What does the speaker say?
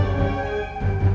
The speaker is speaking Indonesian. aku mau kemana